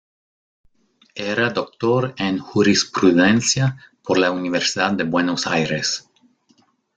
Era doctor en jurisprudencia por la Universidad de Buenos Aires.